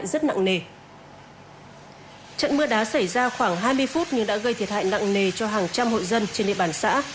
trận mưa đá xảy ra khoảng hai mươi phút nhưng đã gây thiệt hại nặng nề cho hàng trăm hội dân trên địa bàn xã